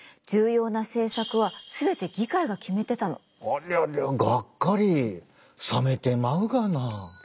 ありゃりゃがっかりさめてまうがな。